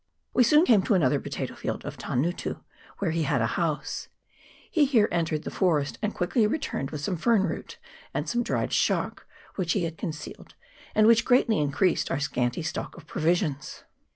We soon came to another potato field of Tangutu, where he had a house ; he here entered the forest, and quickly returned with some fern root and some dried shark which he had concealed, and which greatly increased our scanty stock of provisions.